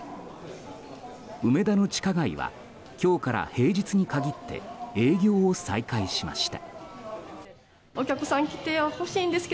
梅田の地下街は今日から平日に限って営業を再開しました。